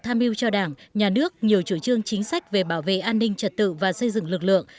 tham mưu cho đảng nhà nước nhiều chủ trương chính sách về bảo vệ an ninh trật tự và xây dựng lực lượng